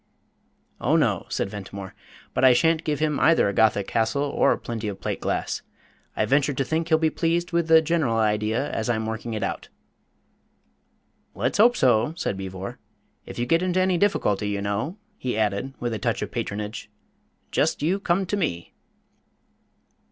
"Oh no," said Ventimore; "but I shan't give him either a Gothic castle or plenty of plate glass. I venture to think he'll be pleased with the general idea as I'm working it out." "Let's hope so," said Beevor. "If you get into any difficulty, you know," he added, with a touch of patronage, "just you come to me."